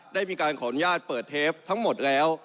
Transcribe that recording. ได้มีการขออนุญาตเปิดเทปทั้งหมดแล้ว